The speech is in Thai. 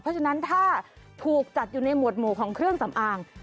เพราะฉะนั้นถ้าถูกจัดอยู่ในหมวดหมู่ของเครื่องสำอาง